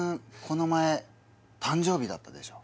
この前誕生日だったでしょ？